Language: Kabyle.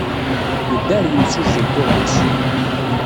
Yedda ɣer yemsujji n tuɣmas.